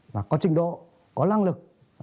và có trình độ có lăng lực